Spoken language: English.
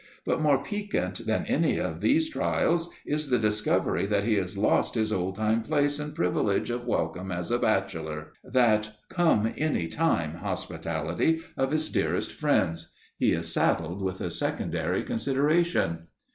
But more piquant than any of these trials is the discovery that he has lost his old time place and privilege of welcome as a bachelor that "come any time" hospitality of his dearest friends. He is saddled with a secondary consideration.